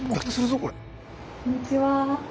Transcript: こんにちは。